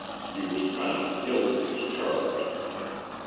He was found guilty as charged.